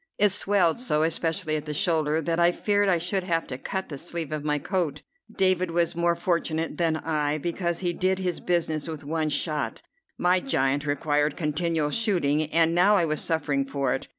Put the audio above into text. It swelled so, especially at the shoulder, that I feared I should have to cut the sleeve of my coat. David was more fortunate than I, because he did his business with one shot: my giant required continual shooting, and now I was suffering for it.